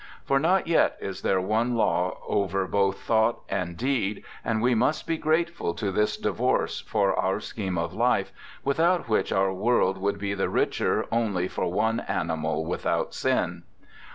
For not yet is there one law over both thought and deed, and we must be grateful to this divorce for our scheme of life, without which our world would be the richer only for one animal without sin.